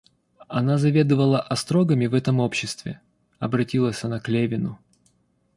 Она заведывала острогами в этом обществе, — обратилась она к Левину.